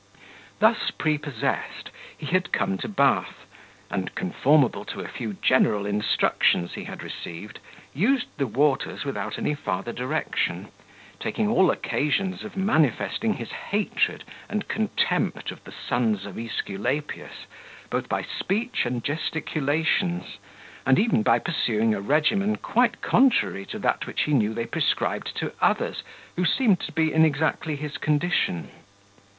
Thus prepossessed, he had come to Bath, and, conformable to a few general instructions he had received, used the waters without any farther direction, taking all occasions of manifesting his hatred and contempt of the sons of Esculapius, both by speech and gesticulations, and even by pursuing a regimen quite contrary to that which he knew they prescribed to others who seemed to be exactly in his condition.